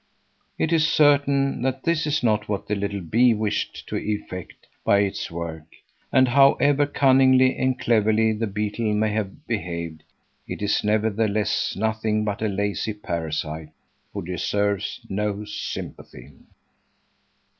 It is certain that this is not what the little bee wished to effect by its work, and however cunningly and cleverly the beetle may have behaved, it is nevertheless nothing but a lazy parasite, who deserves no sympathy.